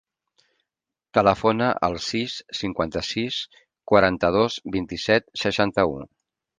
Telefona al sis, cinquanta-sis, quaranta-dos, vint-i-set, seixanta-u.